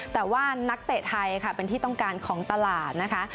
แต่ว่านักเตะไทยค่ะเป็นที่ต้องการของตลาดนะคะ